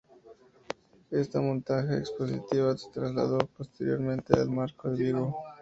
Esta montaje expositiva se trasladó posteriormente al Marco de Vigo.